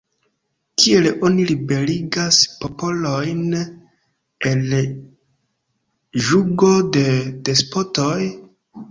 Kiel oni liberigas popolojn el jugo de despotoj?